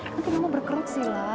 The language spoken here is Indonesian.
nanti mama berkerut sih lah